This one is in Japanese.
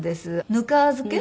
ぬか漬け。